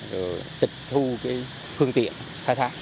rồi tịch thu phương tiện khai thác